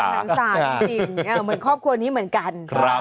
สุขสรรค์ศาสตร์จริงเหมือนครอบครัวนี้เหมือนกัน